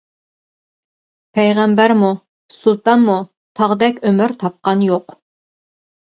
پەيغەمبەرمۇ، سۇلتانمۇ، تاغدەك ئۆمۈر تاپقان يوق.